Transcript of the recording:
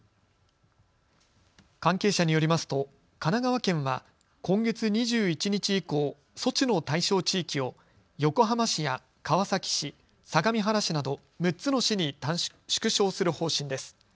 関係者によりますと神奈川県は今月２１日以降、措置の対象地域を横浜市や川崎市、相模原市など６つの市に縮小する方針です。